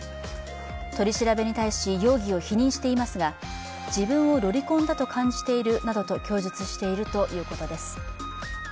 取り調べに対し、容疑を否認していますが、自分をロリコンだと感じているなどと供述しているということです。